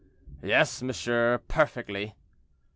"Yes, monsieur, perfectly."